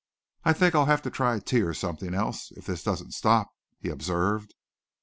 "I think I'll have to try tea or something else if this doesn't stop," he observed.